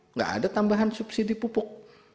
nggak ada tambahan subsidi pupuk